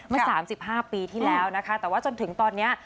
๓๕ปีที่แล้วนะคะแต่ว่าจนถึงตอนนี้